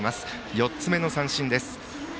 ４つ目の三振です、森岡。